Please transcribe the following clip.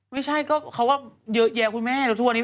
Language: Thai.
ไม่ใช่ก็เขาก็เยอะแยะคุณแม่แล้วทุกวันนี้